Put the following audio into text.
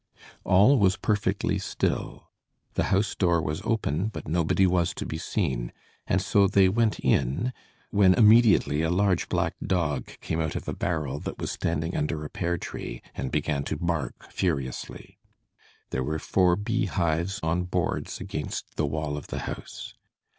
All was perfectly still; the house door was open, but nobody was to be seen, and so they went in, when immediately a large black dog came out of a barrel that was standing under a pear tree, and began to bark furiously. There were four bee hives on boards against the wall of the house.